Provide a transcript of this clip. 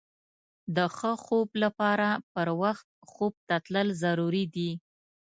د ښه خوب لپاره پر وخت خوب ته تلل ضروري دي.